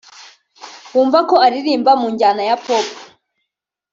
wumva ko aririmba mu njyana ya Pop